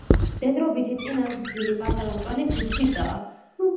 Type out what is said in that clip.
მდედრობითი წინაზრდილი პატარა მწვანე ფირფიტაა.